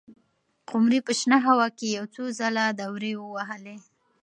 قمري په شنه هوا کې یو څو ځله دورې ووهلې.